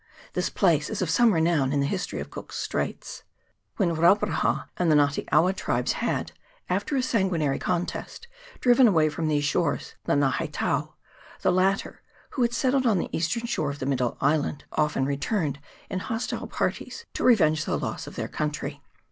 This place is of some renown in the history of Cook's Straits. When Rauparaha and the Nga te awa tribes had, after a sanguinary contest, driven away from these shores the Ngaheitao, the latter, who had settled on the eastern shore of the middle island, often re turned in hostile parties to revenge the loss of their country.